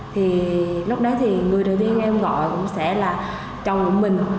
thì lúc đó thì người đầu tiên em gọi cũng sẽ là chồng của mình